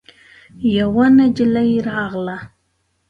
يوه نجلۍ راغله.